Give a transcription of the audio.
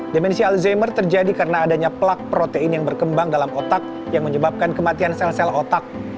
demensi alzheimer terjadi karena adanya plak protein yang berkembang dalam otak yang menyebabkan kematian sel sel otak